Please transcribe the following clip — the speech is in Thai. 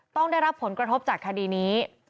ต้องได้รับผลกระทบจากคดีนี้